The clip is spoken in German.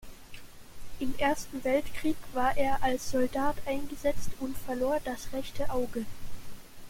Im Ersten Weltkrieg war er als Soldat eingesetzt und verlor das rechte Auge.